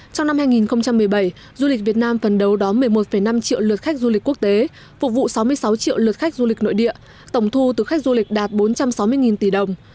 trong năm hai nghìn một mươi bảy du lịch việt nam phần đấu đón một mươi một năm triệu lượt khách du lịch quốc tế phục vụ sáu mươi sáu triệu lượt khách du lịch nội địa tổng thu từ khách du lịch đạt bốn trăm sáu mươi tỷ đồng